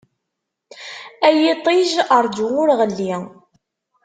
Ay iṭij ṛğu ur ɣelli.